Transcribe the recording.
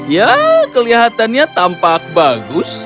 ya kelihatannya tampak bagus